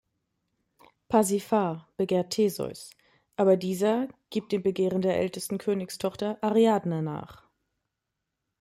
Pasiphae begehrt Theseus, aber dieser gibt dem Begehren der ältesten Königstochter Ariadne nach.